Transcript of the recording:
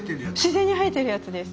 自然に生えてるやつです。